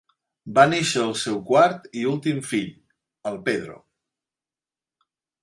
Va néixer el seu quart i últim fill, el Pedro.